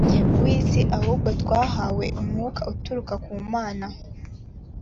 w isi ahubwo twahawe umwuka uturuka ku mana